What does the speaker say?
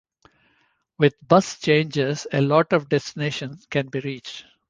With bus changes a lot of destinations can be reached.